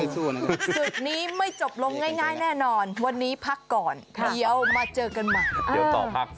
ศึกนี้ไม่จบลงง่ายแน่นอนวันนี้พักก่อนเดี๋ยวมาเจอกันใหม่